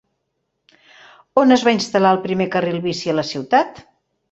On es va instal·lar el primer carril bici a la ciutat?